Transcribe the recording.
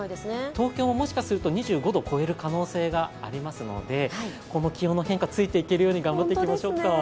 東京も、もしかすると２５度を超える可能性がありますので、この気温の変化、ついていけるように頑張っていきましょうか。